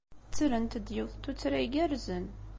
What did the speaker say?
Ttrent-d yiwet n tuttra igerrzen.